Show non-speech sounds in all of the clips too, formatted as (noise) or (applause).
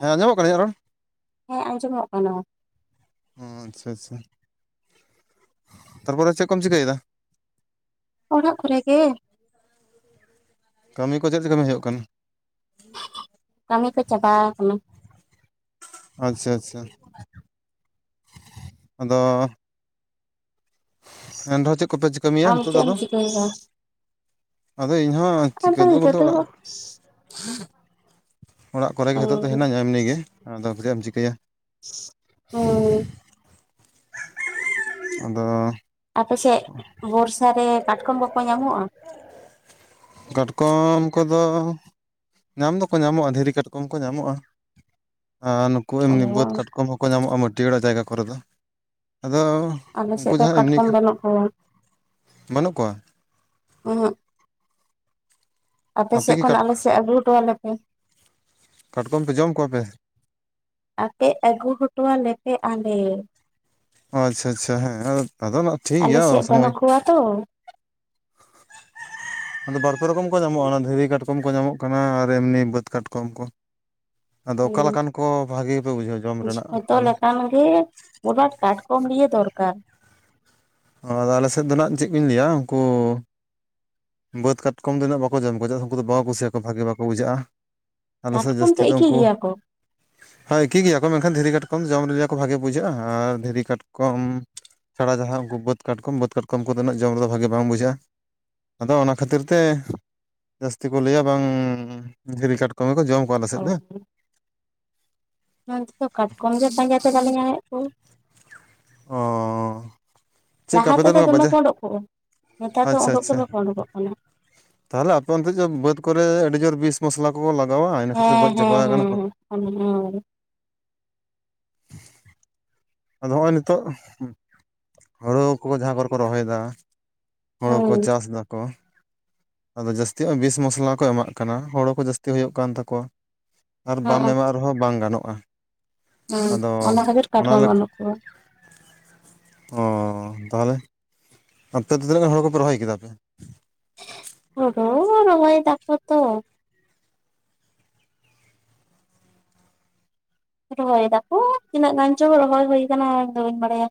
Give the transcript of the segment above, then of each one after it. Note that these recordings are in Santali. ᱦᱮᱸ ᱟᱸᱡᱚᱢᱚᱜ ᱠᱟᱱᱟ ᱤᱧᱟᱹᱜ ᱨᱚᱲ, ᱦᱮᱸ ᱟᱸᱡᱚᱢᱚᱜ ᱠᱟᱱᱟ᱾ ᱚ ᱟᱪᱪᱷᱟ ᱟᱪᱪᱷᱟ ᱛᱟᱨᱯᱚᱨᱮ ᱪᱮᱫ ᱠᱚᱢ ᱪᱤᱠᱟᱹᱭᱮᱫᱟ? ᱚᱲᱟᱜ ᱠᱚᱨᱮ ᱜᱮ᱾ ᱠᱟᱹᱢᱤ ᱠᱚ ᱪᱮᱫ ᱪᱮᱫ ᱠᱟᱹᱢᱤ ᱦᱩᱭᱩᱜ ᱠᱟᱱᱟ? ᱠᱟᱹᱢᱤ ᱠᱚ ᱪᱟᱵᱟᱣ ᱠᱟᱱᱟ᱾ ᱟᱪᱪᱷᱟ ᱟᱪᱪᱷᱟ ᱟᱫᱚ, ᱮᱱ ᱨᱮᱦᱚᱸ ᱪᱮᱫ ᱠᱚᱯᱮ, ᱠᱟᱹᱢᱤᱭᱟ ᱟᱢ ᱱᱤᱛᱚᱜ ᱪᱮᱫ ᱫᱚ ᱮᱢ ᱟᱫᱚ? ᱪᱤᱠᱟᱹᱭ ᱫᱟ? ᱟᱫᱚ ᱤᱧᱦᱚᱸ ᱟᱫᱚ ᱪᱤᱠᱟᱹ ᱤᱱᱠᱟᱹ ᱵᱚᱞᱛᱮ ᱫᱚ, ᱚᱲᱟᱜ (inaudible) ᱚᱲᱟᱜ ᱠᱚᱨᱮᱜᱮ ᱱᱤᱛᱚᱜ ᱫᱚ ᱦᱤᱱᱟᱹᱧᱟ ᱮᱢᱱᱤᱜᱮ ᱟᱫᱚ ᱪᱮᱜ ᱮᱢ ᱪᱤᱠᱟᱹᱭᱟ, ᱫᱚ ᱟᱫᱚ, ᱟᱯᱮᱥᱮᱜ ᱵᱚᱨᱥᱟ ᱨᱮ ᱠᱟᱴᱠᱚᱢ ᱠᱚᱠᱚ ᱧᱟᱢᱚᱜᱼᱟ? ᱠᱟᱴᱠᱚᱢ ᱠᱚᱫᱚ ᱧᱟᱢ ᱫᱚᱠᱚ ᱧᱟᱢᱚᱜᱼᱟ ᱫᱷᱤᱨᱤ ᱠᱟᱴᱠᱚᱢ ᱠᱚ ᱧᱟᱢᱚᱜᱼᱟ᱾ ᱟᱨ ᱱᱩᱠᱩ ᱚ ᱮᱢᱱᱤ ᱵᱟᱹᱫᱽ ᱠᱟᱴᱠᱚᱢ ᱦᱚᱸᱠᱚ ᱧᱟᱢᱚᱜᱼᱟ ᱢᱟᱹᱴᱤᱭᱟᱲᱟ ᱡᱟᱭᱜᱟ ᱠᱚᱨᱮ ᱫᱚ ᱟᱫᱚ, ᱟᱞᱮ ᱥᱮᱫᱜ ᱩᱱᱠᱩ ᱫᱚ ᱡᱟᱦᱟᱸ ᱮᱢᱱᱤ ᱠᱟᱴᱠᱚᱢ ᱠᱚ ᱵᱟᱹᱱᱩᱜ ᱠᱚᱣᱟ᱾ ᱵᱟᱹᱱᱩᱜ ᱠᱚᱣᱟ ᱟᱯᱮ ᱟᱯᱮᱥᱮᱜ ᱜᱮ ᱠᱷᱚᱱ ᱠᱟᱴ ᱟᱞᱮᱥᱮᱜ ᱟᱹᱜᱩ ᱦᱚᱴᱚᱣᱟ ᱞᱮᱯᱮ᱾ ᱠᱟᱴᱠᱚᱢ ᱯᱮ ᱡᱚᱢ ᱠᱚᱣᱟ ᱯᱮ? ᱟᱯᱮ ᱟᱹᱜᱩ ᱦᱚᱴᱚᱣᱟᱞᱮ ᱯᱮ ᱟᱞᱮ᱾ ᱦᱚᱸ ᱟᱪᱪᱷᱟ ᱟᱪᱪᱷᱟ ᱦᱮᱸ ᱟᱫᱚ ᱱᱟᱦᱟᱜ ᱴᱷᱤᱠ ᱟᱞᱮ ᱜᱮᱭᱟ ᱥᱮᱫ ᱚᱥᱚᱢᱚᱭ ᱵᱟᱹᱱᱩᱜ ᱠᱚᱣᱟ ᱛᱚ (unintelligible) ᱟᱫᱚ ᱵᱟᱨ ᱯᱮ ᱨᱚᱠᱚᱢ ᱠᱚ ᱧᱟᱢᱚᱜᱼᱟ᱾ ᱚᱱᱟ ᱫᱷᱤᱨᱤ ᱠᱟᱴᱠᱚᱢ ᱠᱚ ᱧᱟᱢᱚᱜ ᱠᱟᱱᱟ ᱟᱨ ᱮᱢᱱᱤ ᱵᱟᱹᱫᱽ ᱠᱟᱴᱠᱚᱢ ᱠᱚ᱾ ᱟᱫᱚ ᱚᱠᱟ ᱞᱮᱠᱟᱱ ᱦᱮᱸ ᱠᱚ ᱵᱷᱟᱜᱮ ᱯᱮ ᱵᱩᱡᱷᱟᱹᱣ ᱡᱷᱚᱛᱚ ᱞᱮᱠᱟᱱ ᱜᱮ, ᱢᱳᱴ ᱢᱟᱴ ᱠᱟᱴᱠᱚᱢ ᱞᱤᱭᱮ ᱫᱚᱨᱠᱟᱨ᱾ ᱚ ᱟᱫᱚ ᱟᱞᱮ ᱥᱮᱫ ᱫᱚ ᱱᱟᱦᱟᱜ ᱪᱮᱫ ᱠᱩᱧ ᱞᱟᱹᱭᱟ ᱩᱱᱠᱩ ᱵᱟᱹᱫᱽ ᱠᱟᱴᱠᱚᱢ ᱫᱚ ᱩᱱᱟᱹᱜ ᱵᱟᱠᱚ ᱡᱚᱢ ᱠᱚᱣᱟ, ᱪᱮᱫᱟᱜ ᱥᱮ ᱩᱱᱠᱩ ᱫᱚ ᱵᱟᱠᱚ ᱠᱩᱥᱤᱭᱟᱠᱚᱣᱟ ᱵᱷᱟᱜᱮ ᱵᱟᱠᱚ ᱵᱩᱡᱷᱟᱹᱜᱼᱟ᱾ ᱟᱞᱮ ᱥᱮᱫ ᱠᱟᱴᱠᱚᱢ ᱛᱚ ᱡᱟᱹᱥᱛᱤ ᱫᱚ ᱮᱠᱤ ᱩᱱᱠᱩ ᱜᱮᱭᱟ ᱠᱚ ᱦᱳᱭ ᱮᱠᱤ ᱜᱮᱭᱟ ᱠᱚ ᱢᱮᱱᱠᱷᱟᱱ ᱫᱷᱤᱨᱤ ᱠᱟᱴᱠᱚᱢ ᱡᱚᱢ ᱨᱮ ᱡᱮ ᱠᱚ ᱵᱷᱟᱜᱮ ᱵᱩᱡᱷᱟᱹᱜᱼᱟ ᱟᱨ ᱫᱷᱤᱨᱤ ᱠᱟᱴᱠᱚᱢ ᱪᱷᱟᱲᱟ ᱡᱟᱦᱟᱸ ᱩᱱᱠᱩ ᱵᱟᱹᱫᱽ ᱠᱟᱴᱠᱚᱢ, ᱵᱟᱹᱫᱽ ᱠᱟᱴᱠᱚᱢ ᱠᱚ ᱫᱚ ᱩᱱᱟᱹᱜ ᱡᱚᱢ ᱨᱮᱫᱚ ᱵᱷᱟᱜᱮ ᱵᱟᱝ ᱵᱩᱡᱷᱟᱹᱜᱼᱟ᱾ ᱟᱫᱚ ᱚᱱᱟ ᱠᱷᱟᱹᱛᱤᱨ ᱛᱮ ᱡᱟᱹᱥᱛᱤ ᱠᱚ ᱞᱟᱹᱭᱟ ᱵᱟᱝᱻ ᱫᱷᱤᱨᱤ ᱠᱟᱴᱠᱚᱢ ᱜᱮ ᱠᱚ ᱡᱚᱢ ᱠᱟᱣᱟ ᱟᱞᱮ ᱚ ᱥᱮᱫ ᱫᱚ᱾ ᱱᱚᱱᱛᱮ ᱫᱚ ᱠᱟᱴᱠᱚᱢ ᱜᱮ ᱯᱟᱸᱡᱟ ᱛᱮ ᱵᱟᱞᱮ ᱧᱟᱢᱮᱫ ᱠᱚ᱾ ᱚᱸᱻ᱾ ᱞᱟᱦᱟ ᱛᱮᱫᱚ ᱫᱚᱢᱮ ᱠᱚ ᱳᱸᱰᱳᱸᱜ ᱠᱚᱜᱼᱟ᱾ ᱱᱮᱛᱟᱨ ᱫᱚ ᱟᱪᱪᱷᱟ ᱳᱸᱰᱳᱸᱜ ᱜᱮ ᱟᱪᱪᱷᱟ ᱵᱟᱠᱚ ᱳᱸᱰᱳᱸᱠᱚᱜ ᱠᱟᱱᱟ᱾ ᱛᱟᱦᱚᱞᱮ ᱟᱯᱮ ᱚᱱᱛᱮ ᱪᱚ ᱵᱟᱹᱫᱽ ᱠᱚᱨᱮ ᱟᱹᱰᱤ ᱡᱳᱨ ᱵᱤᱥ ᱢᱚᱥᱞᱟ ᱠᱚᱠᱚ ᱞᱟᱜᱟᱣᱟ, ᱤᱱᱟᱹ ᱠᱷᱟᱹᱛᱤᱨ ᱜᱚᱡ ᱪᱟᱵᱟᱣ ᱠᱟᱱᱟ ᱠᱚ᱾ ᱢᱚᱱᱮ ᱦᱚᱭ᱾ ᱟᱫᱚ ᱦᱚᱸᱜᱼᱚᱭ ᱱᱤᱛᱚᱜ ᱦᱳᱲ ᱠᱚ ᱡᱟᱦᱟᱸ ᱠᱚᱨᱮ ᱠᱚ ᱨᱚᱦᱚᱭᱮᱫᱟ᱾ ᱦᱳᱲᱳ ᱦᱮᱸ ᱠᱚ ᱪᱟᱥ ᱫᱟᱠᱚ᱾ ᱟᱫᱚ ᱡᱟᱹᱥᱛᱤ ᱵᱤᱥ ᱢᱚᱥᱞᱟ ᱠᱚ ᱮᱢᱟᱜ ᱠᱟᱱᱟ, ᱦᱳᱲᱳ ᱠᱚ ᱡᱟᱹᱥᱛᱤ ᱦᱩᱭᱩᱜ ᱠᱟᱱ ᱛᱟᱠᱚᱣᱟ᱾ ᱟᱨ ᱵᱟᱢ ᱦᱮᱸ ᱮᱢᱟᱜ ᱨᱮᱦᱚᱸ ᱵᱟᱝ ᱜᱟᱱᱚᱜᱼᱟ᱾ ᱦᱮᱸ, ᱟᱫᱚ ᱚᱱᱟ ᱠᱷᱟᱹᱛᱤᱨ ᱚᱱᱟ ᱠᱟᱴᱠᱚᱢ ᱵᱟᱹᱱᱩᱜ ᱠᱚᱣᱟ᱾ ᱚᱻ ᱛᱟᱦᱚᱞᱮ ᱚᱱᱛᱮ ᱛᱤᱱᱟᱹᱜ ᱜᱟᱱ ᱦᱳᱲᱳ ᱠᱚᱯᱮ ᱨᱚᱦᱚᱭ ᱠᱮᱫᱟ ᱯᱮ? ᱯᱳᱰ ᱦᱳᱲᱳ ᱦᱚᱸ ᱨᱚᱦᱚᱭ ᱫᱟᱠᱚ ᱛᱚ᱾ ᱨᱚᱦᱚᱭ ᱫᱟᱠᱚ, ᱛᱤᱱᱟᱹᱜ ᱜᱟᱱ ᱪᱚ ᱨᱚᱦᱚᱭ ᱦᱳᱭ ᱟᱠᱟᱱᱟ ᱤᱧᱫᱚ ᱵᱟᱹᱧ ᱵᱟᱲᱟᱭᱟ᱾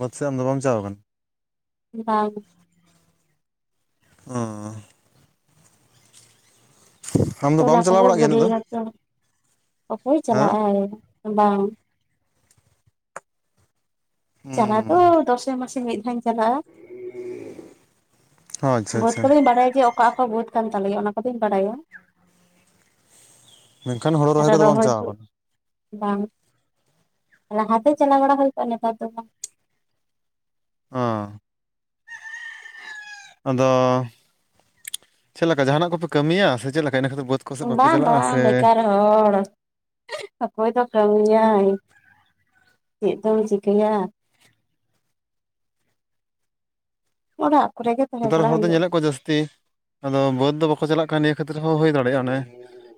ᱵᱟᱹᱫᱽ ᱥᱮᱫ ᱟᱢ ᱫᱚ ᱵᱟᱢ ᱪᱟᱣ ᱠᱟᱱᱟ᱾ ᱵᱟᱝ᱾ ᱚᱸᱻ᱾ ᱟᱢ ᱫᱚ ᱛᱚᱞᱟ ᱵᱟᱢ ᱪᱟᱞᱟᱣ ᱠᱚᱠᱚ ᱵᱟᱲᱟᱜ ᱜᱮᱭᱟ ᱩᱱᱟᱹᱜ ᱫᱚ? ᱜᱤᱰᱤᱭᱮᱫᱟ ᱚᱠᱚᱭ ᱦᱮᱸ ᱪᱟᱞᱟᱜᱼᱟᱭ ᱵᱟᱝ᱾ ᱪᱟᱞᱟᱣ ᱦᱩᱸ ᱫᱚ ᱫᱚᱥᱮ ᱢᱟᱥᱮ ᱢᱤᱫ ᱫᱷᱟᱣ ᱤᱧ ᱪᱟᱞᱟᱜᱼᱟ, ᱟᱪᱪᱷᱟ ᱵᱟᱹᱫᱽ ᱟᱪᱪᱷᱟ ᱠᱚᱫᱚᱧ ᱵᱟᱰᱟᱭ ᱜᱮᱭᱟ ᱚᱠᱟ ᱚᱠᱟ ᱵᱟᱹᱫᱽ ᱠᱟᱱ ᱛᱟᱞᱮᱭᱟ, ᱚᱱᱟ ᱠᱚᱫᱚᱧ ᱵᱟᱰᱟᱭᱟ᱾ ᱢᱮᱱᱠᱷᱟᱱ ᱦᱳᱲᱳ ᱟᱨᱚ ᱠᱚᱫᱚ ᱵᱟᱢ ᱨᱚᱦᱚᱭ ᱪᱟᱣ ᱫᱚ ᱠᱟᱱᱟ ᱵᱟᱝ, ᱞᱟᱦᱟᱛᱮ ᱪᱟᱞᱟᱣ ᱵᱟᱲᱟ ᱦᱳᱭ ᱠᱚᱜᱼᱟ ᱱᱮᱛᱟᱨ ᱫᱚ ᱵᱟᱝ᱾ ᱚᱻ᱾ ᱟᱫᱚ ᱪᱮᱫ ᱞᱮᱠᱟ ᱡᱟᱦᱟᱱᱟᱜ ᱠᱚᱯᱮ ᱠᱟᱹᱢᱤᱭᱟ ᱥᱮ ᱪᱮᱫ ᱞᱮᱠᱟ? ᱤᱱᱟᱹ ᱠᱷᱟᱹᱛᱤᱨ ᱵᱟᱹᱫᱽ ᱠᱚᱥᱮᱫ ᱵᱟᱯᱮ ᱵᱟᱝ ᱪᱟᱞᱟᱜᱼᱟ ᱵᱟᱝ ᱥᱮ ᱵᱮᱠᱟᱨ ᱦᱚᱲ, ᱚᱠᱚᱭ ᱫᱚ ᱠᱟᱹᱢᱤᱭᱟᱭ? ᱪᱮᱫ ᱫᱚᱢ ᱪᱤᱠᱟᱹᱭᱟ? ᱟᱲᱟᱜ ᱠᱚᱨᱮ ᱜᱮ ᱛᱟ ᱱᱮᱛᱟᱨ ᱦᱚᱲ ᱫᱩᱧ ᱧᱮᱞᱮᱫ ᱠᱚᱣᱟ ᱡᱟᱹᱥᱛᱤ ᱟᱫᱚ ᱵᱟᱹᱫᱽ ᱫᱚ ᱵᱟᱠᱚ ᱪᱟᱞᱟᱜ ᱠᱟᱱᱟ ᱱᱤᱭᱟᱹ ᱠᱷᱟᱹᱛᱤᱨ ᱦᱚᱸ ᱦᱩᱭ ᱫᱟᱲᱮᱭᱟᱜᱼᱟ᱾ ᱚᱱᱮ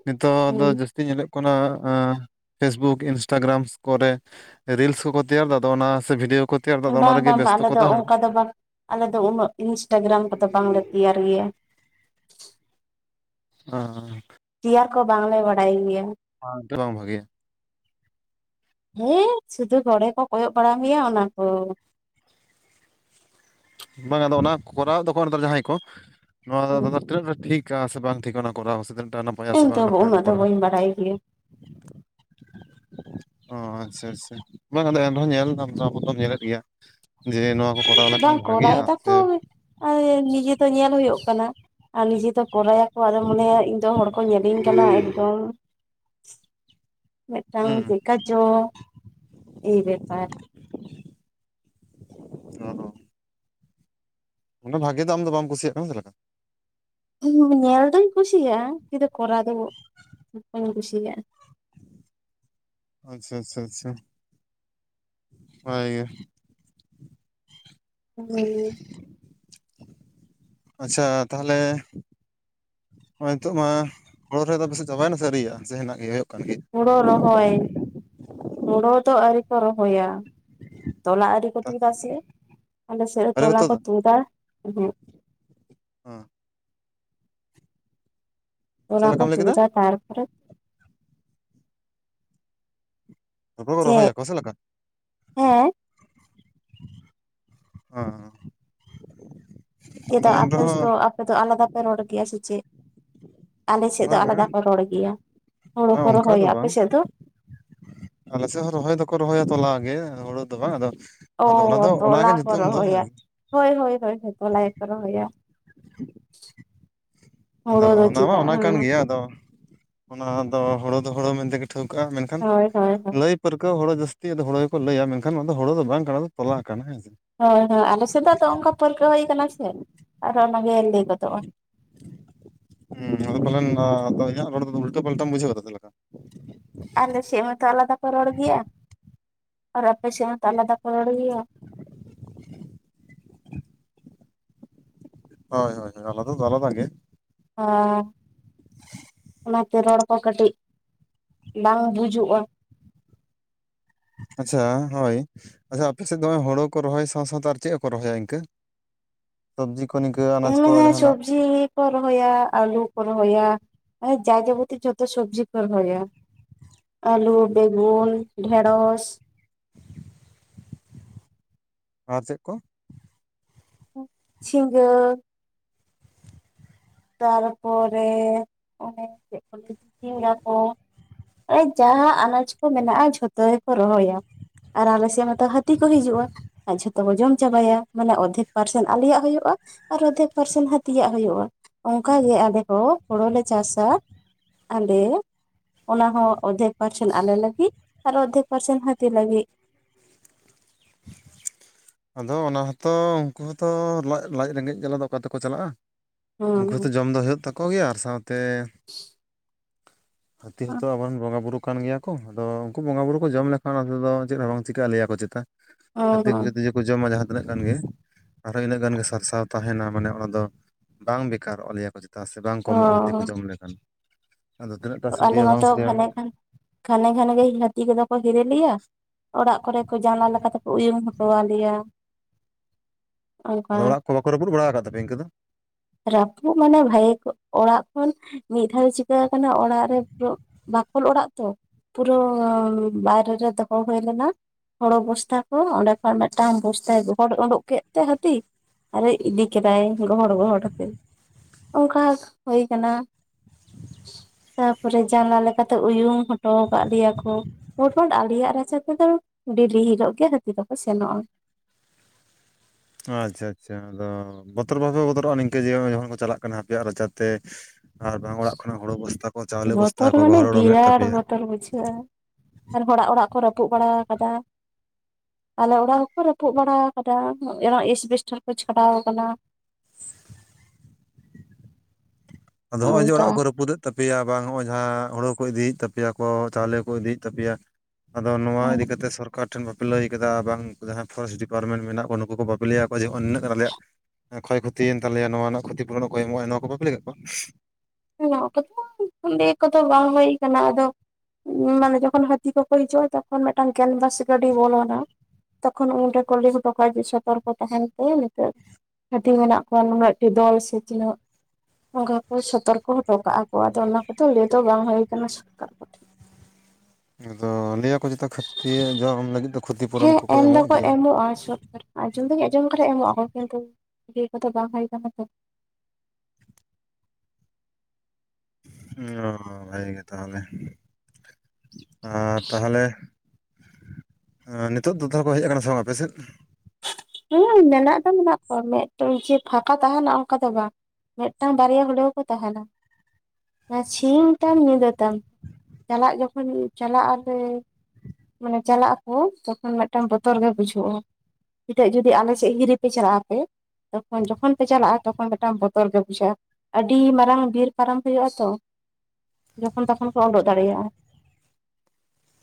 ᱱᱤᱛᱚᱜ ᱫᱚ ᱦᱩᱸ ᱡᱟᱹᱥᱛᱤ ᱛᱤ ᱧᱮᱞᱚᱜ ᱠᱟᱱᱟ, ᱟᱸ ᱯᱷᱮᱥᱵᱩᱠ, ᱤᱱᱥᱴᱟᱜᱨᱟᱢ ᱠᱚᱨᱮ ᱨᱤᱞᱥ ᱠᱚᱠᱚ ᱛᱮᱭᱟᱨ ᱮᱫᱟ ᱛᱚ, ᱟᱫᱚ ᱚᱱᱟ ᱥᱮ ᱵᱷᱤᱰᱭᱳ ᱠᱚ ᱛᱮᱭᱟᱨ ᱫᱟ ᱟᱫᱚ ᱚᱱᱟ ᱵᱟᱝ ᱨᱮᱜᱮ ᱵᱟᱝ ᱵᱟᱝ, ᱵᱮᱥᱛᱚ ᱟᱞᱮ ᱠᱚ ᱫᱚ ᱛᱟᱦᱮᱱᱟ ᱚᱱᱠᱟ ᱫᱚ ᱵᱟᱝ ᱟᱞᱮ ᱫᱚ ᱩᱱᱟᱹᱜ ᱤᱱᱥᱴᱟᱜᱨᱟᱢ ᱠᱚᱫᱚ ᱵᱟᱝ ᱞᱮ ᱛᱮᱭᱟᱨ ᱜᱮᱭᱟ᱾ ᱦᱚᱸ, ᱦᱚᱸ᱾ ᱛᱮᱭᱟᱨ ᱠᱚ ᱵᱟᱝ ᱞᱮ ᱵᱟᱲᱟᱭ ᱜᱮᱭᱟ᱾ ᱚᱱᱟ ᱦᱚᱛᱚ ᱵᱟᱝ ᱵᱷᱟᱹᱜᱮᱭᱼᱟ᱾ ᱦᱮᱹᱴ ᱥᱩᱫᱷᱩ ᱜᱚᱲᱮ ᱠᱚ ᱠᱚᱭᱚᱜ ᱵᱟᱲᱟ ᱦᱳᱭᱳᱜ ᱚᱱᱟ ᱠᱚ᱾ ᱵᱟᱝ ᱟᱫᱚ ᱚᱱᱟ ᱠᱚᱨᱟᱣ ᱮᱫ ᱫᱚᱠᱚ ᱱᱮᱛᱟᱨ ᱡᱟᱦᱟᱸᱭ ᱠᱚ᱾ ᱱᱚᱣᱟ ᱟᱫᱚ ᱛᱤᱱᱟᱹᱜ ᱴᱟ ᱴᱷᱤᱠ ᱪᱮᱫᱟᱜ ᱥᱮ ᱤᱵᱟᱝ ᱴᱷᱤᱠᱟ, ᱚᱱᱟ ᱦᱚᱸ ᱠᱚᱨᱟᱣ ᱥᱩᱫᱷᱩ ᱢᱤᱫᱴᱟᱝ ᱚᱱᱟ ᱤᱧ ᱫᱚ ᱩᱱᱟᱹᱜ ᱫᱚ ᱠᱚᱨᱟᱣ ᱵᱟᱹᱧ ᱵᱟᱲᱟᱭ ᱜᱮᱭᱟ᱾ ᱚ ᱟᱪᱪᱷᱟ, ᱟᱪᱪᱷᱟ᱾ ᱵᱟᱝ ᱟᱫᱚ ᱮᱱ ᱨᱮᱦᱚᱸ ᱧᱮᱞ ᱫᱟᱢᱛᱚ ᱟᱵᱚᱫᱚᱢ ᱧᱮᱞᱮᱫ ᱜᱮᱭᱟ᱾ ᱡᱮ ᱱᱚᱣᱟ ᱠᱚ ᱠᱚᱨᱟᱣ ᱞᱮᱠᱷᱟᱱ ᱵᱟᱝ ᱠᱚᱨᱟᱣ ᱵᱷᱟᱜᱮᱭᱟ ᱭᱮᱫᱟᱠᱚ ᱥᱮ ᱱᱤᱡᱮ ᱫᱚ ᱧᱮᱞ ᱦᱩᱭᱩᱜ ᱠᱟᱱᱟ ᱟᱨ ᱱᱤᱡᱮ ᱫᱚ ᱠᱚᱨᱟᱭᱟᱠᱚ ᱟᱨᱮᱢ ᱢᱚᱱᱮᱭᱟ ᱤᱧ ᱫᱚ ᱦᱚᱲ ᱠᱚ ᱧᱮᱞᱤᱧ ᱠᱟᱱᱟ ᱮᱠᱫᱚᱢ ᱢᱤᱫᱴᱟᱝ ᱦᱩᱸ ᱡᱮᱠᱟᱪᱚ ᱮ ᱵᱮᱯᱟᱨ ᱚ ᱩᱱᱟᱹ ᱵᱷᱟᱹᱜᱤ ᱫᱚ ᱟᱢ ᱫᱚ ᱵᱟᱢ ᱠᱩᱥᱤᱭᱟᱜᱼᱟ, ᱠᱟᱱᱟ ᱪᱮᱫ ᱞᱮᱠᱟ? ᱧᱮᱞ ᱫᱩᱧ ᱠᱩᱥᱤᱭᱟᱜᱼᱟ᱾ ᱠᱤᱛᱩ ᱠᱚᱨᱟᱣ ᱫᱚ ᱵᱟᱹᱧ ᱠᱩᱥᱤᱭᱟᱜᱼᱟ᱾ ᱟᱪᱪᱷᱟ, ᱟᱪᱪᱷᱟ, ᱟᱪᱪᱷᱟ, ᱦᱳᱭ᱾ ᱦᱩᱸ᱾ ᱟᱪᱪᱷᱟ ᱛᱟᱦᱞᱮ ᱱᱚᱭ ᱱᱤᱛᱚᱜ ᱢᱟ ᱦᱚᱲᱚ ᱨᱚᱦᱚᱭ ᱫᱚ ᱪᱟᱵᱟᱭᱮᱱᱟ ᱥᱮ ᱟᱹᱨᱤᱭᱟᱜᱤᱭᱟ ᱥᱮ ᱦᱮᱱᱟᱜ ᱜᱮᱭᱟ ᱦᱩᱭᱩᱜ ᱠᱟᱱ ᱜᱮ? ᱦᱩᱲᱩ ᱨᱚᱦᱚᱭ ᱦᱩᱲᱩ ᱫᱚ ᱟᱹᱣᱨᱤ ᱠᱚ ᱨᱚᱦᱚᱭᱟ᱾ ᱛᱚᱞᱟ ᱟᱨᱤ ᱠᱚ ᱛᱩᱫᱟ ᱥᱮ ᱟᱞᱮ ᱥᱮᱫ ᱨᱮ ᱛᱚᱞᱟ ᱠᱚ ᱛᱩᱫᱟ ᱦᱮᱸ ᱦᱚᱸ᱾ ᱛᱚᱞᱟ ᱪᱮᱫ ᱠᱚ ᱞᱮᱠᱟᱢ ᱞᱟᱹᱭ ᱠᱮᱫᱟ ᱛᱩᱫᱟ ᱛᱟᱨ ᱯᱚᱨᱮ ᱯᱚᱨᱮ ᱠᱚ ᱪᱮᱫ ᱨᱚᱦᱚᱭᱟ ᱠᱚ ᱥᱮ ᱞᱮᱠᱟ? ᱦᱮᱸ ᱦᱚᱸ᱾ ᱮᱫᱟ ᱟᱯᱮᱥ ᱫᱚ ᱟᱯᱮ ᱫᱚ ᱟᱞᱟᱫᱟ ᱯᱮ ᱨᱚᱱ ᱜᱮᱭᱟ ᱥᱮ ᱪᱮᱫ? ᱟᱞᱮ ᱥᱮᱫ ᱫᱚ ᱵᱟᱝᱟ ᱟᱞᱟᱫᱟ ᱠᱚ ᱨᱚᱲ ᱜᱮᱭᱟ᱾ ᱦᱩᱲᱩ ᱠᱚ ᱚᱱᱠᱟ ᱨᱚᱦᱚᱭᱟ᱾ ᱫᱚ ᱟᱯᱮ ᱵᱟᱝ ᱥᱮᱫ ᱫᱚ? ᱟᱞᱮ ᱥᱮ ᱦᱚᱸ ᱨᱚᱦᱚᱭ ᱫᱚᱠᱚ ᱨᱚᱦᱚᱭᱟ ᱛᱚᱞᱟ ᱜᱮ ᱦᱩᱲᱩ ᱫᱚ ᱵᱟᱝ ᱟᱫᱚ ᱟᱫᱚ ᱚᱱᱟ ᱚ ᱫᱚ ᱛᱚᱞᱟ ᱚᱱᱟᱜᱮ ᱠᱚ ᱧᱩᱛᱩᱢ ᱫᱚ ᱨᱚᱦᱚᱭᱟ᱾ ᱦᱮᱸ ᱦᱳᱭ, ᱦᱳᱭ, ᱦᱳᱭ, ᱦᱳᱭ, ᱛᱚᱞᱟ ᱜᱮᱠᱚ ᱨᱚᱦᱚᱭᱟ᱾ ᱟᱫᱚ ᱦᱳᱲᱳ ᱫᱚ ᱚᱱᱟ ᱢᱟ ᱪᱮᱫᱟᱜ ᱚᱱᱟ ᱦᱮᱸ ᱠᱟᱱ ᱦᱳᱭ ᱜᱮᱭᱟ ᱟᱫᱚ ᱚᱱᱟ ᱫᱚ ᱦᱳᱲᱳ ᱫᱚ ᱦᱳᱲᱳ ᱢᱮᱱᱛᱮ ᱜᱮ ᱴᱷᱟᱹᱣᱠᱟᱹᱜᱼᱟ᱾ ᱢᱮᱱᱠᱷᱟᱱ ᱦᱳᱭ ᱦᱳᱭ ᱞᱟᱹᱭ ᱯᱟᱹᱨᱠᱟᱹᱣ ᱦᱚᱲ ᱡᱟᱹᱥᱛᱤ ᱦᱳᱲᱳ ᱜᱮᱠᱚ ᱞᱟᱹᱭᱟ, ᱢᱮᱱᱠᱷᱟᱱ ᱚᱱᱟ ᱫᱚ ᱦᱚᱲᱳ ᱫᱚ ᱵᱟᱝ ᱠᱟᱱᱟ ᱛᱚᱞᱟ ᱟᱠᱟᱱᱟ ᱦᱮᱸᱥᱮ᱾ ᱦᱳᱭ ᱟᱫᱚ ᱟᱞᱮᱥᱮᱫ ᱫᱚ ᱚᱱᱠᱟ ᱯᱟᱹᱨᱠᱟᱹᱣ ᱦᱩᱭ ᱟᱠᱟᱱᱟ ᱥᱮ ᱟᱨ ᱚᱱᱟ ᱜᱮ ᱞᱟᱹᱭ ᱜᱚᱫᱚᱜᱼᱟ᱾ ᱦᱳᱭ ᱯᱟᱞᱮᱱ ᱟᱫᱚ ᱟᱧᱟᱜ ᱨᱚᱲ ᱫᱚ ᱩᱞᱴᱟᱹ ᱯᱟᱞᱴᱟᱢ ᱵᱩᱡᱷᱟᱹᱣᱫᱟ ᱪᱮᱫ ᱞᱮᱠᱟ? ᱟᱞᱮ ᱥᱮᱫ ᱦᱚᱸᱛᱚ ᱟᱞᱟᱫᱟ ᱠᱚ ᱨᱚᱲ ᱜᱮᱭᱟ ᱟᱨ ᱟᱯᱮ ᱥᱮᱫ ᱦᱚᱸᱛᱚ ᱟᱞᱟᱫᱟ ᱠᱚ ᱨᱚᱲ ᱜᱮᱭᱟ᱾ (inaudible) ᱦᱳᱭ, ᱦᱳᱭ, ᱦᱤᱭ ᱟᱞᱟᱫᱟ ᱫᱚ ᱟᱞᱟᱫᱟ ᱜᱮ ᱦᱚᱸ ᱚᱱᱟ ᱛᱮ ᱨᱚᱲ ᱠᱚ ᱠᱟᱹᱴᱤᱡ ᱵᱟᱝ ᱵᱩᱡᱷᱩᱜᱼᱟ᱾ ᱟᱪᱪᱷᱟ ᱦᱚᱭ ᱟᱪᱪᱷᱟ ᱟᱯᱮ ᱥᱮᱫ ᱫᱚ ᱦᱳᱲᱳ ᱠᱚ ᱨᱚᱦᱚᱭ ᱥᱟᱶ ᱥᱟᱶᱛᱮ ᱟᱨ ᱪᱮᱫ ᱠᱚᱠᱚ ᱨᱚᱦᱚᱭᱟ ᱤᱱᱠᱟᱹ? ᱥᱚᱵᱽᱡᱤ ᱠᱚ ᱱᱤᱠᱟᱹ ᱟᱱᱟᱡ ᱠᱚ ᱦᱮᱸᱻᱦᱮᱸ ᱡᱟᱦᱟᱱᱟᱜ ᱥᱚᱵᱽᱡᱤ ᱠᱚ ᱨᱚᱦᱚᱭᱟ ᱟᱞᱩ ᱠᱚ ᱨᱚᱦᱚᱭᱟ ᱢᱟᱱᱮ ᱡᱟ ᱡᱟᱵᱚᱛᱤ ᱡᱚᱛᱚ ᱥᱚᱵᱽᱡᱤ ᱠᱚ ᱨᱚᱦᱚᱭᱟ ᱟᱹᱞᱩ, ᱵᱮᱜᱩᱱ, ᱰᱷᱮᱸᱲᱚᱥ ᱟᱨ ᱪᱮᱜ ᱠᱚ? ᱡᱷᱤᱸᱜᱟᱹ ᱛᱟᱨᱯᱚᱨᱮ ᱚᱱᱮ ᱪᱮᱫ ᱠᱚ ᱞᱟᱹᱭᱟ ᱡᱷᱤᱸᱜᱟ. ᱠᱚ ᱡᱟᱦᱟ ᱟᱱᱟᱡᱽ ᱠᱚ ᱢᱮᱱᱟᱜᱼᱟ ᱡᱷᱚᱛᱚ ᱜᱮᱠᱚ ᱨᱚᱦᱚᱭᱟ᱾ ᱟᱨ ᱟᱞᱮ ᱥᱮ ᱢᱟᱛᱚ ᱦᱟᱹᱛᱤ ᱠᱚ ᱦᱤᱡᱩᱜᱼᱟ᱾ ᱡᱚᱛᱚ ᱠᱚ ᱡᱚᱢ ᱪᱟᱵᱟᱭᱟ ᱢᱟᱱᱮ ᱚᱫᱷᱮᱠ ᱯᱟᱨᱥᱮᱱ ᱟᱞᱮᱭᱟᱜ ᱦᱩᱭᱩᱜᱼᱟ ᱟᱨ ᱚᱫᱷᱮᱠ ᱯᱟᱨᱥᱮᱱ ᱦᱟᱹᱛᱤᱭᱟᱜ ᱦᱩᱭᱩᱜᱼᱟ ᱚᱱᱠᱟᱜᱮ ᱟᱞᱮ ᱦᱚᱸ ᱦᱳᱲᱳ ᱞᱮ ᱪᱟᱥᱟ᱾ ᱟᱞᱮ ᱚᱱᱟ ᱦᱚᱸ ᱚᱫᱷᱮᱠ ᱯᱟᱨᱥᱮᱱ ᱟᱞᱮ ᱞᱟᱹᱜᱤᱫ ᱟᱨ ᱚᱫᱷᱮᱠ ᱯᱟᱨᱥᱮᱱ ᱦᱟᱹᱛᱤ ᱞᱟᱹᱜᱤᱫ ᱟᱫᱚ ᱚᱱᱟ ᱦᱚᱸᱛᱚ ᱩᱝᱠᱩ ᱦᱚᱸᱛᱚ ᱞᱟᱡ ᱨᱮᱸᱜᱮᱡᱽ ᱡᱟᱞᱟ ᱫᱚ ᱚᱠᱟ ᱛᱮᱠᱚ ᱪᱟᱞᱟᱜᱼᱟ᱾ ᱩᱝᱠᱩ ᱦᱚᱸᱫᱚ ᱦᱩᱸ ᱡᱚᱢ ᱫᱚ ᱦᱩᱭᱩᱜ ᱛᱟᱠᱚ ᱜᱮᱭᱟ ᱟᱨ ᱥᱟᱶᱛᱮ ᱦᱟᱹᱛᱤ ᱦᱚᱸᱛᱚ ᱟᱵᱚᱨᱮᱱ ᱵᱚᱸᱜᱟ ᱵᱩᱨᱩ ᱠᱟᱱ ᱜᱮᱭᱟ ᱠᱚ ᱟᱫᱚ ᱩᱝᱠᱩ ᱵᱚᱸᱜᱟ ᱵᱩᱨᱩ ᱠᱚ ᱡᱚᱢ ᱞᱮᱠᱷᱟᱱ ᱚᱱᱟ ᱛᱮᱫᱚ ᱪᱮᱫ ᱦᱚᱸ ᱵᱟᱝ ᱪᱤᱠᱟᱹᱜᱼᱟ ᱞᱟᱹᱭᱟᱠᱚ ᱪᱮᱛᱟ ᱦᱩᱸ ᱦᱟᱹᱛᱤ ᱦᱩᱸ ᱡᱮ ᱠᱚ ᱡᱚᱢᱟ ᱡᱟᱦᱟᱸ ᱛᱤᱱᱟᱹᱜ ᱜᱟᱱ ᱜᱮ ᱟᱨᱦᱚᱸ ᱤᱱᱟᱹᱜ ᱜᱟᱱ ᱜᱮ ᱥᱟᱨᱥᱟᱣ ᱛᱟᱦᱮᱱᱟ ᱢᱟᱱᱮ ᱚᱱᱟ ᱫᱚ ᱵᱟᱝ ᱵᱮᱠᱟᱨᱚᱜᱼᱟ ᱞᱟᱹᱭᱟ ᱠᱚ ᱪᱮᱛᱟ ᱥᱮ ᱵᱟᱝ ᱚ ᱠᱚᱢᱚᱜᱼᱟ ᱦᱟᱹᱛᱤ ᱠᱚ ᱡᱚᱢ ᱞᱮᱠᱷᱟᱱ ᱟᱫᱚ ᱛᱤᱱᱟᱹᱜᱴᱟ ᱟᱞᱮ ᱥᱟᱹᱨᱤᱭᱟ ᱵᱟᱝ ᱢᱟᱛᱚ ᱥᱟᱹᱨᱤᱭᱟ ᱜᱷᱟᱱᱮ ᱨᱮᱱᱟᱜ ᱜᱷᱟᱱ ᱜᱷᱟᱱᱮ ᱜᱷᱟᱱᱮ ᱜᱮ ᱦᱟᱹᱛᱤ ᱠᱚᱫᱚ ᱠᱚ ᱦᱤᱨᱤ ᱞᱮᱭᱟ ᱚᱲᱟᱜ ᱠᱚᱨᱮ ᱠᱚ ᱡᱟᱱᱟᱞᱟ ᱞᱮᱠᱟᱛᱮ ᱠᱚ ᱩᱭᱩ ᱦᱚᱴᱚ ᱟᱞᱮᱭᱟ ᱚᱱᱠᱟ ᱟᱫᱚᱲᱟᱜ ᱠᱚ ᱵᱟᱠᱚ ᱨᱟᱹᱯᱩᱫ ᱵᱟᱲᱟ ᱟᱠᱟᱫᱟ ᱤᱱᱠᱟᱹ ᱫᱚ ᱨᱟᱹᱯᱩᱫ ᱢᱟᱱᱮ ᱵᱷᱟᱜᱮ ᱚᱲᱟᱜ ᱠᱷᱚᱱ ᱢᱤᱫ ᱫᱷᱟᱣ ᱪᱤᱠᱟ ᱟᱠᱟᱱᱟ ᱚᱲᱟᱜ ᱨᱮ ᱯ ᱵᱟᱠᱷᱳᱞ ᱚᱲᱟᱜ ᱛᱚ ᱯᱩᱨᱟᱹ ᱵᱟᱭᱨᱮ ᱨᱮ ᱫᱚᱦᱚ ᱦᱩᱭ ᱞᱮᱱᱟ ᱦᱳᱲᱳ ᱵᱚᱥᱛᱟ ᱠᱚ ᱚᱸᱰᱮ ᱠᱷᱚᱱ ᱢᱤᱫᱴᱟᱝ ᱵᱚᱥᱛᱟᱭ ᱜᱚᱦᱚᱲ ᱩᱰᱩᱠ ᱠᱮᱫ ᱛᱮ ᱦᱟᱹᱛᱤ ᱟᱨᱮ ᱤᱫᱤ ᱠᱮᱫᱟᱭ ᱜᱚᱦᱚᱲ ᱜᱚᱦᱚᱲ ᱠᱟᱛᱮ ᱚᱱᱠᱟ ᱦᱩᱭ ᱠᱟᱱᱟ ᱛᱟᱯᱚᱨᱮ ᱡᱟᱱᱟᱞᱟ ᱞᱮᱠᱟᱛᱮ ᱩᱭᱩᱝ ᱦᱚᱴᱚ ᱟᱠᱟᱫ ᱞᱮᱭᱟ ᱠᱚ ᱯᱚᱴᱚᱞ ᱟᱞᱮᱭᱟᱜ ᱨᱟᱪᱟ ᱛᱮᱫᱚ ᱰᱮᱨᱤ ᱦᱤᱞᱳᱜ ᱜᱮ ᱦᱟᱹᱛᱤ ᱫᱚᱠᱚ ᱥᱮᱱᱚᱜᱼᱟ ᱟᱪᱷᱟ- ᱟᱪᱷᱟ ᱟᱫᱚ ᱵᱚᱛᱚᱨ ᱵᱟᱯᱮ ᱵᱚᱛᱚᱨᱚᱜᱼᱟ ᱱᱤᱝᱠᱟᱹ ᱡᱮ ᱡᱚᱠᱷᱚᱱ ᱠᱚ ᱪᱟᱞᱟᱜ ᱠᱟᱱᱟ ᱟᱯᱮᱭᱟᱜ ᱨᱟᱪᱟᱛᱮ ᱟᱨ ᱵᱟᱝ ᱚᱲᱟᱜ ᱠᱷᱚᱱᱟᱜ ᱦᱳᱲᱳ ᱵᱚᱥᱛᱟ ᱠᱚ ᱪᱟᱣᱞᱮ ᱵᱚᱛᱚᱨ ᱵᱚᱥᱛᱟ ᱠᱚ ᱢᱟᱱᱮ ᱜᱚᱦᱚᱲ ᱩᱰᱚᱝᱮᱫ ᱵᱤᱨᱟᱴ ᱛᱟᱯᱮᱭᱟ ᱵᱚᱛᱚᱨ ᱵᱩᱡᱷᱟᱹᱜᱼᱟ᱾ ᱟᱨ ᱦᱚᱲᱟᱜ ᱚᱲᱟᱜ ᱠᱚ ᱨᱟᱹᱯᱩᱫ ᱵᱟᱲᱟ ᱟᱠᱟᱫᱟ᱾ ᱟᱞᱮ ᱚᱲᱟᱜ ᱦᱚᱸᱠᱚ ᱨᱟᱹᱯᱩᱫ ᱵᱟᱲᱟ ᱟᱠᱟᱫᱟ ᱮ ᱤᱥᱵᱮᱥᱴᱟᱨ ᱠᱚ ᱪᱷᱟᱰᱟᱣ ᱟᱠᱟᱱᱟ᱾ ᱟᱫᱚ ᱦᱚᱸᱜᱚᱭ ᱡᱮ ᱚᱱᱠᱟ ᱚᱲᱟᱜ ᱠᱚ ᱨᱟᱹᱯᱩᱫᱮᱫᱽ ᱛᱟᱯᱮᱭᱟ ᱵᱟᱝ ᱱᱚᱜᱼᱚᱭ ᱡᱟᱦᱟᱸ ᱦᱳᱲᱳ ᱠᱚ ᱤᱫᱤᱭᱮᱫ ᱛᱟᱯᱮᱭᱟ ᱠᱚ ᱪᱟᱣᱞᱮ ᱠᱚ ᱤᱫᱤᱭᱮᱫ ᱛᱟᱯᱮᱭᱟ᱾ ᱟᱫᱚ ᱱᱚᱣᱟ ᱤᱫᱤᱠᱟ ᱠᱟᱛᱮ ᱥᱚᱨᱠᱟᱨ ᱚᱠᱟ ᱴᱷᱮᱱ ᱵᱟᱯᱮ ᱞᱟᱹᱭ ᱠᱟᱫᱟ ᱵᱟᱝ ᱡᱟᱦᱟᱸᱭ ᱯᱷᱚᱨᱮᱥᱴ ᱰᱤᱯᱟᱨᱴᱢᱮᱱᱴ ᱢᱮᱱᱟᱜ ᱠᱚ ᱱᱩᱠᱩ ᱠᱚ ᱵᱟᱯᱮ ᱞᱟᱹᱭᱟᱠᱚ ᱡᱮᱼ ᱱᱤᱱᱟᱹᱜ ᱜᱟᱱ ᱟᱞᱭᱟᱜ ᱠᱷᱚᱭ ᱠᱷᱩᱛᱤᱭᱮᱱ ᱛᱟᱞᱮᱭᱟ ᱱᱚᱣᱟ ᱨᱮᱱᱟᱜ ᱠᱷᱩᱛᱤ ᱯᱩᱨᱚᱱᱚ ᱚᱠᱚᱭ ᱮᱢᱚᱜᱼᱟ ᱱᱚᱣᱟ ᱠᱚ ᱵᱟᱯᱮ ᱞᱟᱹᱭ ᱠᱟᱫ ᱠᱚᱣᱟ ᱚᱱᱟ ᱠᱚᱫᱚ ᱠᱩᱞᱤ ᱠᱚᱫᱚ ᱵᱟᱝ ᱦᱩᱭ ᱠᱟᱱᱟ ᱟᱫᱚ ᱢᱟᱱᱮ ᱡᱚᱠᱷᱚᱱ ᱦᱟᱹᱛᱤ ᱠᱚᱠᱚᱦᱤᱡᱩᱜᱼᱟ ᱛᱠᱷᱚᱱ ᱢᱤᱫᱴᱟᱝ ᱠᱮᱱᱵᱟᱹᱥ ᱜᱟᱹᱰᱤ ᱵᱚᱞᱱᱟ᱾ ᱛᱚᱠᱷᱚᱱ ᱩᱱᱤᱨᱮ ᱠᱚᱞᱤ ᱦᱚᱴᱚ ᱠᱟᱭ ᱥᱚᱛᱚᱨᱠᱚ ᱛᱟᱦᱮᱱ ᱯᱮ ᱱᱤᱛᱚᱜ ᱦᱟᱹᱛᱤ ᱢᱮᱱᱟᱜ ᱠᱚᱣᱟ ᱱᱩᱱᱟᱹᱜᱴᱤᱡ ᱫᱚᱞ ᱥᱮ ᱛᱤᱱᱟᱹᱜ ᱱᱚᱝᱠᱟ ᱠᱚ ᱥᱚᱛᱚᱨᱠᱚ ᱠᱚ ᱦᱚᱴᱚ ᱠᱟᱜ ᱟᱠᱚ ᱟᱫᱚ ᱚᱱᱟ ᱠᱚᱫᱚ ᱞᱟᱹᱭ ᱫᱚ ᱵᱟᱝ ᱦᱩᱭ ᱟᱠᱟᱱᱟ ᱥᱚᱨᱠᱟᱨ ᱠᱚᱴᱷᱮᱱ ᱟᱫᱚ ᱞᱟᱹᱭᱟᱠᱚ ᱡᱚᱛᱚ ᱠᱷᱟᱹᱛ ᱡᱚᱢ ᱞᱟᱹᱜᱤᱫ ᱫᱚ ᱠᱷᱚᱛᱤ ᱦᱮᱸ ᱯᱩᱨᱚᱱ ᱠᱚᱠᱚ ᱮᱢ ᱮᱢᱚᱜ ᱫᱚᱠᱚ ᱜᱮᱭᱟ ᱮᱢᱚᱜᱼᱟ᱾ ᱟᱸᱡᱚᱢ ᱫᱚᱸᱧ ᱟᱸᱡᱚᱢ ᱠᱟᱫᱟ ᱮᱢᱚᱜᱼᱟᱠᱚ ᱠᱤᱱᱛᱩ ᱤᱭᱟᱹ ᱠᱚᱫᱚ ᱵᱟᱝ ᱦᱩᱭ ᱠᱟᱱᱟ ᱛᱚ ᱚᱸ ᱵᱷᱟᱜᱤ ᱜᱮ ᱛᱟᱦᱚᱞᱮ ᱟᱨ ᱛᱟᱦᱚᱞᱮ ᱱᱤᱛᱚᱜ ᱫᱚ ᱛᱟᱦᱚᱞᱮ ᱠᱚ ᱦᱮᱡ ᱠᱟᱱᱟ ᱥᱮ ᱵᱟᱝ ᱟᱯᱮ ᱥᱮᱫ? ᱦᱮᱸ ᱢᱮᱱᱟᱜ ᱫᱚ ᱢᱮᱱᱟᱜ ᱠᱚᱣᱟ ᱢᱤᱫᱴᱟᱝ ᱡᱮᱫ ᱯᱷᱟᱸᱠᱟ ᱛᱟᱦᱮᱱᱟ ᱚᱱᱠᱟ ᱫᱚ ᱵᱟᱝ, ᱢᱤᱫᱴᱟᱝ ᱵᱟᱨᱭᱟ ᱦᱩᱞᱮᱭᱚ ᱠᱚ ᱛᱟᱦᱮᱱᱟ ᱾ ᱚᱱᱟ ᱥᱤᱧ ᱛᱟᱢ ᱧᱤᱫᱟᱹ ᱛᱟᱢ ᱪᱟᱞᱟᱜ ᱡᱚᱠᱷᱚᱱ ᱪᱟᱞᱟᱜ ᱟᱞᱮᱼᱼ ᱢᱟᱱᱮ ᱪᱟᱞᱟᱜ ᱟᱠᱚ ᱛᱚᱠᱷᱚᱱ ᱢᱤᱫᱴᱟᱝ ᱵᱚᱛᱚᱨ ᱜᱮ ᱵᱩᱡᱷᱩᱜᱼᱟ ᱾ ᱱᱤᱛᱚᱜ ᱡᱩᱫᱤ ᱟᱞᱮ ᱥᱮᱫ ᱦᱤᱨᱤ ᱯᱮ ᱪᱟᱞᱟᱜ ᱟᱯᱮ ᱛᱚᱠᱷᱚᱱ ᱡᱚᱠᱷᱚᱱ ᱯᱮ ᱪᱟᱞᱟᱜᱼᱟ ᱛᱚᱠᱷᱚᱱ ᱢᱤᱫᱴᱟᱝ ᱵᱚᱛᱚᱨ ᱜᱮ ᱵᱩᱡᱷᱟᱹᱜᱼᱟ ᱾ ᱟᱹᱰᱤ ᱢᱟᱨᱟᱝ ᱵᱤᱨ ᱯᱟᱨᱚᱢ ᱦᱩᱭᱩᱜ ᱟ ᱛᱚ ᱡᱚᱠᱷᱚᱱ ᱛᱚᱠᱷᱚᱱ ᱠᱚ ᱩᱰᱩᱠ ᱫᱟᱲᱮᱭᱟᱜᱼᱟ ᱾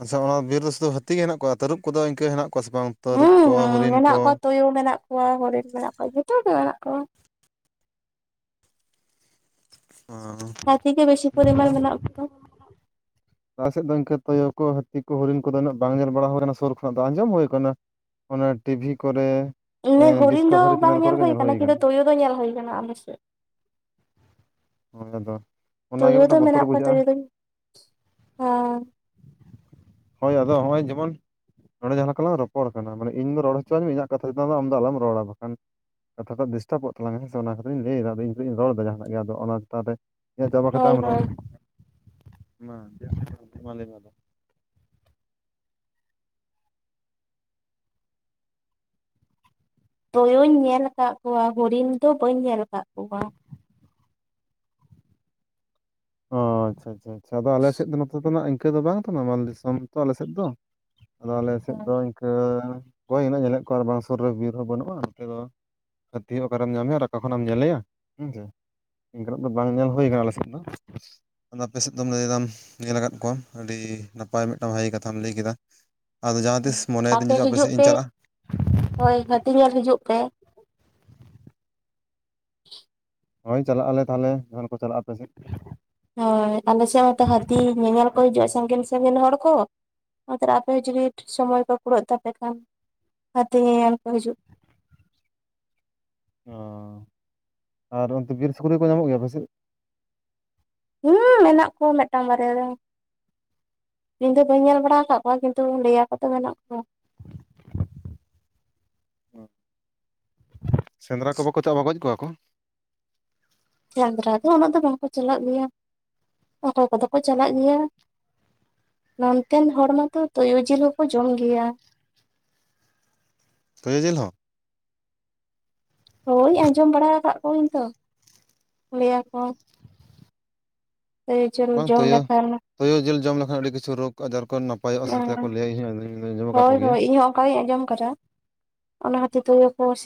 ᱟᱪᱷᱟ ᱚᱱᱟ ᱵᱤᱨ ᱨᱮ ᱥᱩᱫᱩ ᱦᱟᱹᱛᱤ ᱜᱮ ᱦᱮᱱᱟᱜ ᱠᱚᱣᱟ ᱛᱟᱹᱨᱩᱵ ᱠᱚᱫᱚ ᱤᱱᱠᱟᱹ ᱦᱮᱱᱟᱜ ᱠᱚᱣᱟ ᱥᱮ ᱵᱟᱝ ᱛᱟᱹᱨᱩᱵ ᱠᱚ ᱦᱮᱸ ᱦᱚᱨᱤᱱ ᱢᱮᱱᱟᱜ ᱠᱚ ᱠᱚᱣᱟ ᱛᱩᱭᱩ ᱢᱮᱱᱟᱜ ᱠᱚᱣᱟ ᱦᱚᱲ ᱨᱮᱱ ᱢᱮᱱᱟᱜ ᱠᱚᱣᱟ ᱡᱚᱛᱚ ᱜᱮ ᱢᱮᱱᱟᱜ ᱠᱚᱣᱟ, ᱚᱸ ᱾ ᱦᱟᱹᱛᱤ ᱜᱮ ᱵᱮᱥᱤ ᱯᱚᱨᱤᱢᱟᱱ ᱢᱮᱱᱟᱜ ᱠᱚᱣᱟ ᱟᱞᱮᱥᱮᱫ ᱫᱚ ᱤᱱᱠᱟᱹ ᱛᱚᱭᱩ ᱠᱚ ᱦᱟᱹᱛᱤ ᱠᱚ ᱦᱚᱨᱤᱱ ᱠᱚᱫᱚ ᱩᱱᱟᱹᱜ ᱵᱟᱝ ᱧᱮᱞ ᱵᱟᱲᱟ ᱟᱠᱟᱱᱟ ᱥᱩᱨ ᱠᱷᱚᱱᱟᱜ ᱫᱚ ᱟᱸᱡᱚᱢ ᱦᱩᱭᱩ ᱟᱠᱟᱱᱟ ᱚᱱᱟ ᱴᱤᱵᱷᱤ ᱠᱚᱨᱮ ᱤᱱᱟᱹ ᱮᱸ ᱦᱚᱨᱤᱱ ᱫᱚ ᱰᱤᱥᱠᱟᱵᱷᱟᱨᱤ ᱵᱟᱝ ᱪᱮᱱᱮᱞ ᱠᱚᱨᱮ ᱧᱮᱞ ᱜᱮ ᱦᱩᱭ ᱠᱟᱱᱟ ᱠᱤᱱᱛᱩ ᱟᱠᱟᱱᱟ ᱛᱩᱭᱩ ᱫᱚ ᱧᱮᱞ ᱦᱩᱭᱩ ᱟᱠᱟᱱᱟ ᱟᱞᱮᱥᱮᱫ᱾ ᱟᱞᱮ ᱫᱚ, ᱛᱳᱭᱳ ᱫᱚ ᱢᱮᱱᱟᱜ ᱠᱚᱣᱟ ᱛᱳᱭᱳ ᱫᱚᱧ, ᱟᱨ ᱦᱳᱭ ᱟᱫᱚ ᱦᱚᱸᱜᱼᱚᱭ ᱡᱮᱢᱚᱱ ᱱᱚᱸᱰᱮ ᱡᱟᱦᱟᱸ ᱞᱮᱠᱟᱞᱟᱝ ᱨᱚᱯᱚᱲ ᱠᱟᱱᱟ ᱢᱟᱱᱮ ᱤᱧ ᱫᱚ ᱨᱚᱲ ᱦᱚᱪᱚ ᱣᱟᱹᱧ ᱤᱧᱟᱹᱜ ᱠᱟᱛᱷᱟ ᱪᱮᱛᱟᱱ ᱫᱚ ᱟᱢᱫᱚ ᱟᱞᱚᱢ ᱨᱚᱲᱟ ᱵᱟᱠᱷᱟᱱ ᱠᱟᱛᱷᱟ ᱫᱚ ᱰᱤᱥᱴᱟᱵᱚᱜ ᱛᱟᱞᱟᱝ ᱦᱮᱸ ᱥᱮ ᱚᱱᱟ ᱠᱟᱛᱷᱟᱧ ᱞᱟᱹᱭᱮᱫᱟ ᱟᱫᱚ ᱤᱧᱫᱚᱧ ᱨᱚᱲᱟ ᱫᱟ ᱡᱟᱦᱟᱱᱟᱜ ᱜᱮ ᱟᱫᱚ ᱚᱱᱟ ᱛᱟᱦᱚᱞᱮ ᱤᱭᱟᱹ ᱪᱟᱵᱟ ᱠᱟᱛᱮ ᱦᱳᱭ ᱟᱢ ᱨᱚᱲ ᱦᱳᱭ ᱢᱮ ᱢᱟ ᱢᱟ ᱞᱟᱹᱭ ᱢᱮ ᱟᱫᱚ ᱛᱳᱭᱳᱧ ᱧᱮᱞ ᱠᱟᱜ ᱠᱚᱣᱟ ᱦᱚᱨᱤᱱ ᱫᱚ ᱵᱟᱹᱧ ᱧᱮᱞ ᱠᱟᱜ ᱠᱚᱣᱟ᱾ ᱚ ᱟᱪᱪᱷᱟ ᱟᱪᱪᱷᱟ ᱟᱪᱪᱷᱟ ᱟᱫᱚ ᱟᱞᱮ ᱥᱮᱫ ᱫᱚ ᱱᱚᱛᱮ ᱫᱚᱱᱟᱜ ᱤᱱᱠᱟᱹ ᱫᱚ ᱵᱟᱝ ᱠᱟᱱᱟ ᱱᱟᱢᱟᱞ ᱫᱤᱥᱚᱢ ᱛᱚ ᱟᱞᱮ ᱥᱮᱫ ᱫᱚ᱾ ᱟᱫᱚ ᱟᱞᱮ ᱥᱮᱫ ᱫᱚ ᱤᱱᱠᱟᱹ ᱚᱠᱚᱭ ᱩᱱᱟᱜ ᱮ ᱧᱮᱞᱮᱫ ᱠᱚᱣᱟ ᱵᱟᱝ ᱥᱩᱨ ᱨᱮ ᱵᱤᱨ ᱦᱚᱸ ᱵᱟᱹᱱᱩᱜᱼᱟ ᱚᱱᱛᱮ ᱫᱚ, ᱦᱟᱹᱛᱤ ᱦᱚ ᱚᱠᱟᱨᱮᱢ ᱧᱟᱢᱮᱭᱟ ᱟᱨ ᱟᱠᱟ ᱠᱷᱚᱱᱚᱮᱢ ᱧᱮᱞᱮᱭᱟ ᱦᱮᱸᱥᱮ, ᱤᱱᱠᱟᱹᱱᱟᱜ ᱫᱚ ᱵᱟᱝ ᱧᱮᱞ ᱦᱩᱭ ᱠᱟᱱᱟ ᱟᱞᱮ ᱥᱮᱫ ᱫᱚ ᱟᱫᱚ ᱟᱯᱮ ᱥᱮᱫ ᱫᱚᱢ ᱞᱟᱹᱭ ᱫᱟᱢ ᱧᱮᱞ ᱟᱠᱟᱫ ᱠᱚᱣᱟᱢ ᱟᱹᱰᱤ ᱱᱟᱯᱟᱭ ᱢᱤᱫᱴᱟᱝ ᱵᱷᱟᱜᱮ ᱠᱟᱛᱷᱟᱢ ᱞᱟᱹᱭ ᱠᱮᱫᱟ᱾ ᱟᱫᱚ ᱡᱟᱦᱟᱸ ᱛᱤᱥ ᱢᱚᱱᱮᱫᱟᱹᱧ ᱡᱩᱫᱤ ᱟᱯᱮ ᱦᱤᱡᱩᱜ ᱥᱮᱫ ᱤᱧ ᱯᱮ ᱪᱟᱞᱟᱜᱼᱟ ᱾ ᱦᱳᱭ ᱦᱟᱹᱛᱤ ᱧᱮᱞ ᱦᱤᱡᱩᱜ ᱯᱮ, ᱦᱳᱭ ᱪᱟᱞᱟᱜ ᱟᱞᱮ ᱛᱟᱦᱞᱮ ᱡᱚᱠᱷᱚᱱ ᱠᱚ ᱪᱟᱞᱟᱜᱼᱟ ᱟᱯᱮᱥᱮᱫ, ᱦᱳᱭ ᱟᱞᱮ ᱥᱮᱫ ᱢᱟᱛᱚ ᱦᱟᱹᱛᱤ ᱧᱮᱧᱮᱞ ᱠᱚ ᱦᱤᱡᱩᱜᱼᱟ ᱥᱟᱺᱜᱤᱧ ᱥᱟᱺᱜᱤᱧ ᱦᱚᱲ ᱠᱚ, ᱚᱛ ᱨᱮ ᱟᱯᱮ ᱡᱩᱫᱤ ᱥᱚᱢᱚᱭ ᱠᱚ ᱠᱩᱲᱟᱹᱜ ᱛᱟᱯᱮ ᱠᱷᱟᱱ ᱦᱟᱹᱛᱤ ᱧᱮᱧᱮᱞ ᱠᱚ ᱦᱤᱡᱩᱜ ᱚᱸᱻ ᱟᱨ ᱚᱱᱛᱮ ᱵᱤᱨ ᱥᱩᱠᱨᱤ ᱠᱚ ᱧᱟᱢᱚᱜ ᱜᱮᱭᱟ ᱟᱯᱮ ᱥᱮᱡ? ᱦᱩᱸ ᱢᱮᱱᱟᱜ ᱠᱚᱣᱟ ᱢᱤᱫᱴᱟᱝ ᱵᱟᱨᱭᱟ ᱜᱟᱱ, ᱤᱧ ᱫᱚ ᱵᱟᱹᱧ ᱧᱮᱞ ᱵᱟᱲᱟ ᱟᱠᱟᱜ ᱠᱚᱣᱟ ᱠᱤᱱᱛᱩ ᱞᱟᱹᱭᱟᱠᱚ ᱛᱚ ᱢᱮᱱᱟᱜ ᱠᱚᱣᱟ, ᱥᱮᱸᱱᱫᱨᱟ ᱠᱚ ᱵᱟᱠᱚ ᱪᱟᱜᱼᱟ, ᱜᱚᱡ ᱠᱚᱣᱟ ᱠᱚ? ᱥᱮᱸᱫᱽᱨᱟ ᱫᱚ ᱩᱱᱟᱹᱜ ᱫᱚ ᱵᱟᱠᱚ ᱪᱟᱞᱟᱜ ᱜᱮᱭᱟ ᱚᱠᱚᱭ ᱠᱚᱫᱚ ᱠᱚ ᱪᱟᱞᱟᱜ ᱜᱮᱭᱟ ᱾ ᱱᱚᱱᱛᱮᱱ ᱦᱚᱲ ᱢᱟᱛᱚ ᱛᱚᱭᱳ ᱡᱤᱞ ᱦᱚᱠᱚ ᱡᱚᱢ ᱜᱮᱭᱟ, ᱛᱚᱭᱳ ᱡᱤᱞ ᱦᱚᱸ? ᱦᱳᱭ ᱟᱸᱡᱚᱢ ᱵᱟᱲᱟ ᱠᱟᱜ ᱠᱚᱣᱟᱹᱧ ᱛᱚ ᱞᱟᱹᱭᱟ ᱠᱚ ᱛᱚᱭᱳ ᱡᱮᱞ ᱡᱚᱢ ᱞᱮᱠᱷᱟᱱ ᱛᱚᱭᱳ ᱡᱤᱞ ᱡᱚᱢ ᱞᱮᱠᱷᱟᱱ ᱟᱹᱰᱤ ᱠᱤᱪᱷᱩ ᱨᱳᱜᱽ ᱟᱡᱟᱨ ᱠᱚ ᱱᱟᱯᱟᱭᱚᱜᱼᱟ ᱥᱮ ᱪᱮᱛᱟ ᱠᱚ ᱞᱟᱹᱭᱟ ᱤᱧᱦᱚ ᱟᱡᱚᱢ ᱫᱚᱧ ᱟᱡᱚᱢ ᱟᱠᱟᱫ ᱠᱚ ᱜᱮᱭᱟ ᱾ ᱦᱳᱭᱧ ᱟᱸᱡᱚᱢ ᱠᱟᱫᱟ ᱚᱱᱟ (unintelligible)